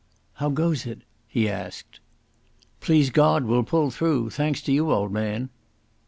"How goes it?" he asked. "Please God, we'll pull through ... thanks to you, old man."